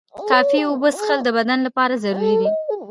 کافی اوبه څښل د بدن لپاره ضروري دي.